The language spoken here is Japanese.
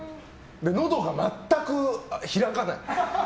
のどが全く開かない。